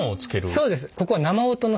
そうです。